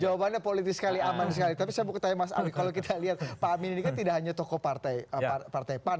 jawabannya politis sekali aman sekali tapi saya mau ketanya mas ali kalau kita lihat pak amin ini kan tidak hanya tokoh partai pan